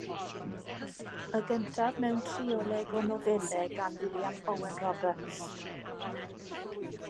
Y gyntaf mewn trioleg o nofelau gan Wiliam Owen Roberts.